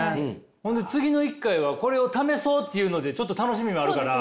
ほんで次の一回はこれを試そうというのでちょっと楽しみもあるから。